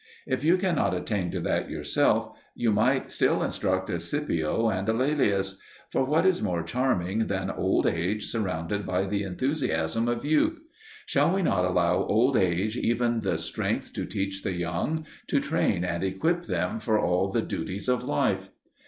If you cannot attain to that yourself, you might still instruct a Scipio and a Laelius. For what is more charming than old age surrounded by the enthusiasm of youth? Shall we not allow old age even the strength to teach the young, to train and equip them for all the duties of life?